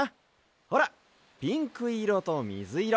ほらピンクいろとみずいろ